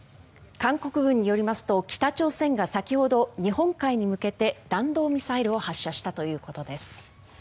韓国軍によりますと北朝鮮が先ほど日本海に向けて弾道ミサイルを発射したということです。